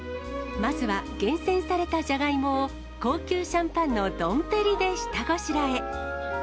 まずは、厳選されたジャガイモを、高級シャンパンのドンペリで下ごしらえ。